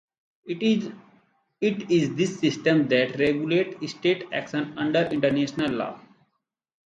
It is this system that regulates state actions under international law.